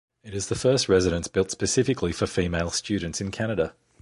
It is the first residence built specifically for female students in Canada.